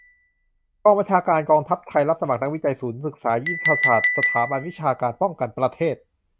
กองบัญชาการกองทัพไทย รับสมัคร นักวิจัย ศูนย์ศึกษายุทธศาสตร์ สถาบันวิชาการป้องกันประเทศ